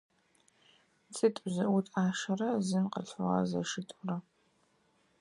ЦитӀу зыӀут Ӏашэрэ зын къылъфыгъэ зэшитӀурэ.